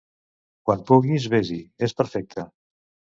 quan puguis ves-hi, és perfecte.